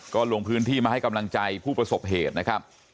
ก็ลงพื้นที่มาให้กำลังใจผู้ประสบเหตุนะครับ